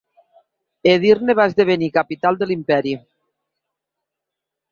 Edirne va esdevenir capital de l'imperi.